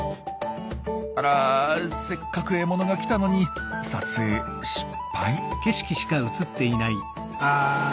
あらせっかく獲物が来たのに撮影失敗。